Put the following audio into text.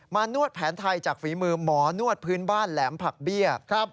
นวดแผนไทยจากฝีมือหมอนวดพื้นบ้านแหลมผักเบี้ย